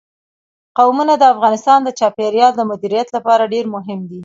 قومونه د افغانستان د چاپیریال د مدیریت لپاره ډېر مهم دي.